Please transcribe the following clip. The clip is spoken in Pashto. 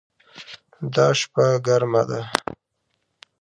دا شپه ګرمه ده